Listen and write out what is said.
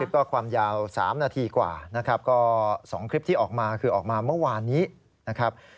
ก็ความยาว๓นาทีกว่านะครับก็๒คลิปที่ออกมาคือออกมาเมื่อวานนี้นะครับ